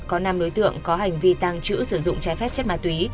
có năm đối tượng có hành vi tăng trữ sử dụng trái phép chất ma túy